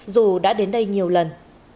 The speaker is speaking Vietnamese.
dù đã đến đây nhiều lần